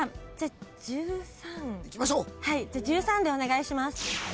１３でお願いします。